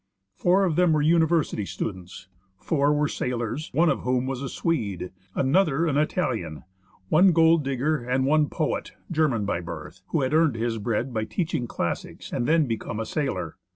Four of them were University students ; four were sailors, one of whom was a Swede, another an Italian, one gold digger, and one poet, German by birth, who had earned his bread by teaching clas sics and then become a sailor.